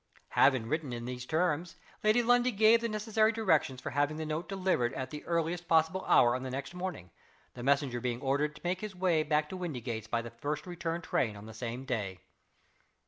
Having written in those terms, Lady Lundie gave the necessary directions for having the note delivered at the earliest possible hour on the next morning; the messenger being ordered to make his way back to Windygates by the first return train on the same day.